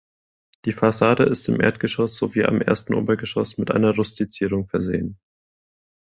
Die Fassade ist im Erdgeschoss sowie am ersten Obergeschoss mit einer Rustizierung versehen.